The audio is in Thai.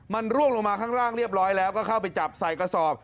มันร่วงลงมาข้างล่างเรียบร้อยแล้วก็เข้าไปจับใส่กระสอบ